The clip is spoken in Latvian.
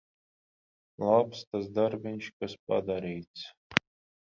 Labs tas darbiņš, kas padarīts.